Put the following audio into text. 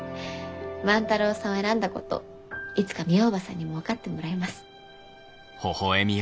万太郎さんを選んだこといつかみえ叔母さんにも分かってもらいます。